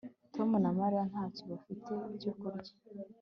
Tom na Mariya ntacyo bafite cyo kurya